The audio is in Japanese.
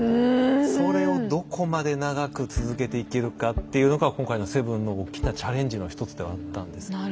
それをどこまで長く続けていけるかっていうのが今回の「７」の大きなチャレンジの一つではあったんです。